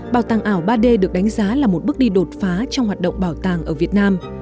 bảo tàng ảo ba d được đánh giá là một bước đi đột phá trong hoạt động bảo tàng ở việt nam